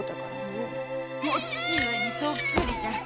お父上にそっくりじゃ。